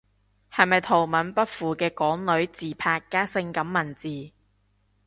係咪圖文不符嘅港女自拍加感性文字？